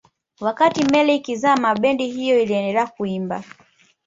wakati meli ikizama bendi hiyo iliendelea kuimba